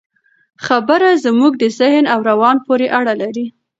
خبره زموږ د ذهن او روان پورې اړه لري.